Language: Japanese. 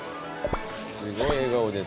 すごい笑顔で。